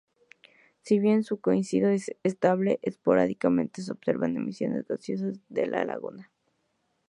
Si bien su condición es estable, esporádicamente se observan emisiones gaseosas en la laguna.